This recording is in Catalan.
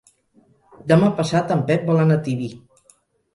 Demà passat en Pep vol anar a Tibi.